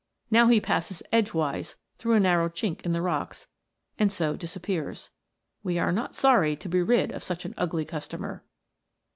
Now he passes edgewise through a narrow chink in the rocks, and so disappears. We are not sorry to be rid of such an ugly customer.